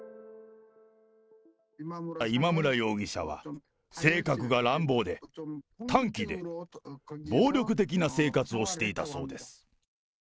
今村容疑者は、性格が乱暴で、短気で暴力的な生活をしていたそうです。